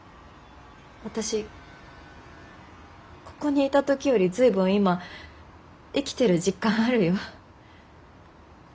私ここにいた時より随分今生きてる実感あるよ。